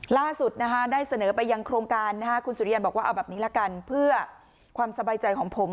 ล่าสุดได้เสนอไปยังโครงการคุณสุริยันบอกว่าเอาแบบนี้ละกันเพื่อความสบายใจของผม